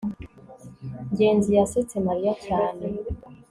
ngenzi yasetse mariya cyane